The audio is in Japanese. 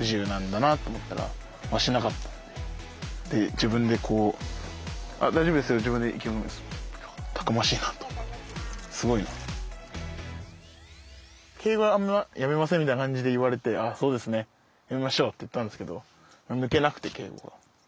自分でこう「敬語やめません？」みたいな感じで言われて「あそうですねやめましょう」って言ったんですけど抜けなくて敬語が。